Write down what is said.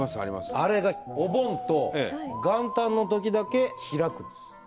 あれがお盆と元旦のときだけ開くんです。